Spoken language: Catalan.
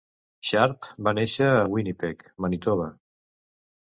Sharp va néixer a Winnipeg, Manitoba.